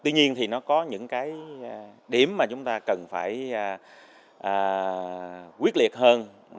tuy nhiên thì nó có những cái điểm mà chúng ta cần phải quyết liệt hơn